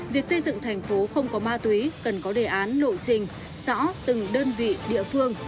việc xây dựng thành phố không có ma túy cần có đề án lộ trình rõ từng đơn vị địa phương